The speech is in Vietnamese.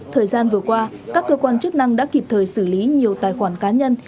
thời gian vừa qua các cơ quan chức năng đã kịp thời xử lý nhiều tài khoản cá nhân